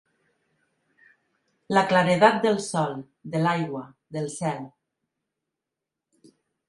La claredat del sol, de l'aigua, del cel.